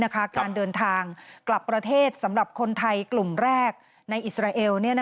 การเดินทางกลับประเทศสำหรับคนไทยกลุ่มแรกในอิสราเอล